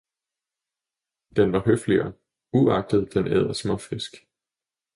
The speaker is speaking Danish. den var høfligere, uagtet den æder småfisk.